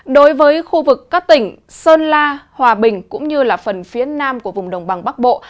đối với khu vực các tỉnh sơn la hòa bình cũng như phần phía nam của vùng đồng bằng bắc bộ